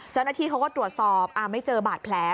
จนที่เขาก็ตรวจสอบไม่เจอบาดแผล